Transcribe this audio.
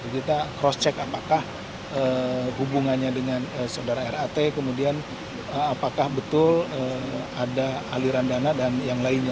kita cross check apakah hubungannya dengan saudara rat kemudian apakah betul ada aliran dana dan yang lainnya